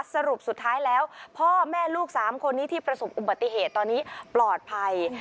สรุปสุดท้ายแล้วพ่อแม่ลูก๓คนนี้ที่ประสบอุบัติเหตุตอนนี้ปลอดภัย